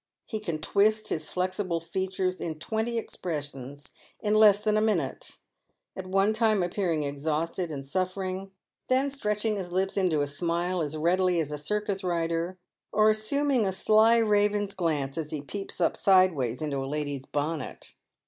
He can twist his flexible features in twenty expressions in less than a minute ; at one time appearing exhausted and suffering, then stretching his lips into a smile as readily as a circus rider, or assum ing a sly raven's glance as he peeps up sideways into a lady's bonnet.